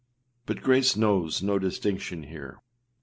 â But grace knows no distinction here.